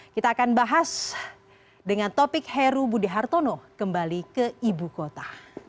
kita akan bahas dengan topik heru budi hartono kembali ke ibu kota